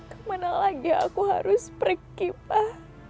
kemana lagi aku harus pergi pak